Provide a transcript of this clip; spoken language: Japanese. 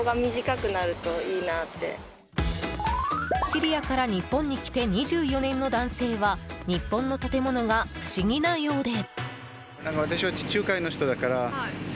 シリアから日本に来て２４年の男性は日本の建物が不思議なようで。